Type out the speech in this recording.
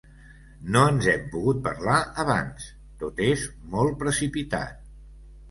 No ens hem pogut parlar abans, tot és molt precipitat.